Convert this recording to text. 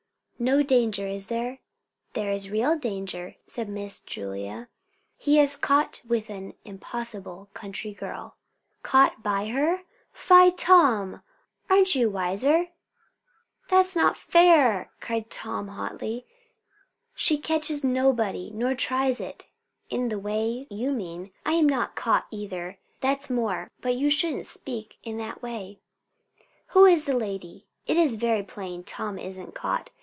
"No danger, is there?" "There is real danger," said Miss Julia. "He is caught with an impossible country girl." "Caught by her? Fie, Tom! aren't you wiser?" "That's not fair!" cried Tom hotly. "She catches nobody, nor tries it, in the way you mean. I am not caught, either; that's more; but you shouldn't speak in that way." "Who is the lady? It is very plain Tom isn't caught.